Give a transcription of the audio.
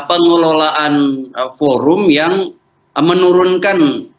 pengelolaan forum yang menurunkan